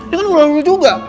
ini kan gue mau tidur juga